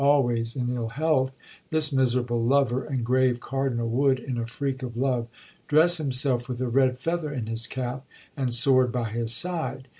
Always in ill health, this miserable lover and grave cardinal would, in a freak of love, dress himself with a red feather in his cap and sword by his side.